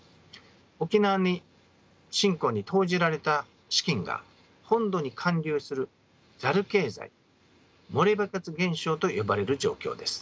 沖縄振興に投じられた資金が本土に還流するザル経済漏れバケツ現象と呼ばれる状況です。